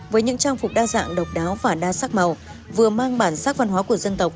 với những trang phục đa dạng độc đáo và đa sắc màu vừa mang bản sắc văn hóa của dân tộc